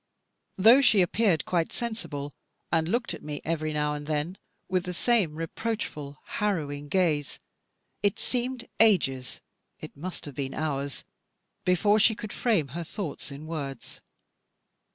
Though she appeared quite sensible, and looked at me, every now and then, with the same reproachful harrowing gaze, it seemed to me ages, it must have been hours, before she could frame her thoughts in words.